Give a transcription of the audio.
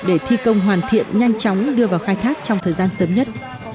để thi công hoàn thiện nhanh chóng đưa vào khai thác trong thời gian sớm nhất